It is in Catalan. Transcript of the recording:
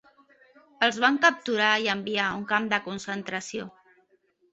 Els van capturar i enviar a un camp de concentració.